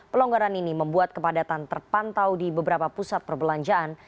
pelonggaran ini membuat kepadatan terpantau di beberapa pusat perbelanjaan